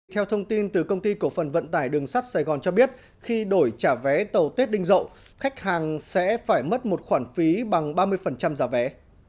theo thông tin từ công ty cổ phần vận tải đường sắt sài gòn cho biết khi đổi trả vé tàu tết đinh dậu khách hàng sẽ phải mất một khoản phí bằng ba mươi giá vé